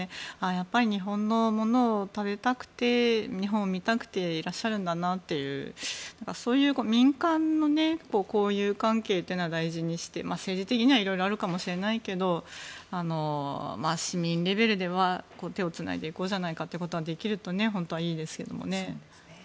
やっぱり日本のものを食べたくて日本を見たくていらっしゃるんだなというそういう民間の交友関係を大事にして政治的には色々あるかもしれないけど市民レベルでは手をつないでいこうということができると本当はいいですけどね。